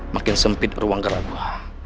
makin sempit ruang gerak gue